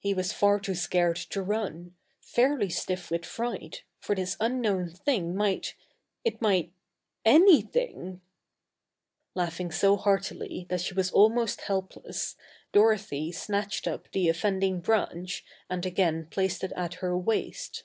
He was far too scared to run fairly stiff with fright, for this unknown thing might it might anything! Laughing so heartily that she was almost helpless, Dorothy snatched up the offending branch and again placed it at her waist.